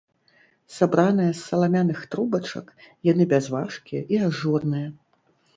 Сабраныя з саламяных трубачак, яны бязважкія і ажурныя.